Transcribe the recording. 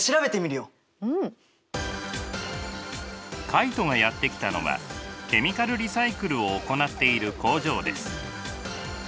カイトがやって来たのはケミカルリサイクルを行っている工場です。